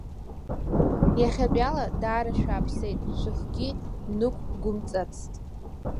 Иахьатәиала даара шәааԥсеит, шәыхгьы нықәгәымҵацт.